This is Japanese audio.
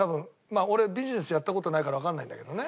まあ俺ビジネスやった事ないからわかんないんだけどね。